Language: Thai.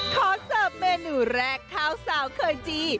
เสิร์ฟเมนูแรกข้าวสาวเคยจี